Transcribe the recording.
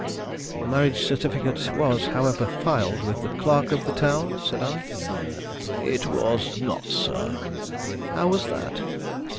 "The marriage certificate was, however, filed with the clerk of the town?" said I. "It was not, sir." "How was that?"